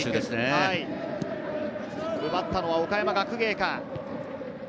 奪ったのは岡山学芸館。